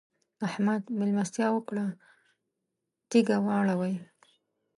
احمد؛ مېلمستيا وکړه - تيږه واړوئ.